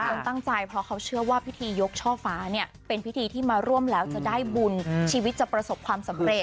คนตั้งใจเพราะเขาเชื่อว่าพิธียกช่อฟ้าเนี่ยเป็นพิธีที่มาร่วมแล้วจะได้บุญชีวิตจะประสบความสำเร็จ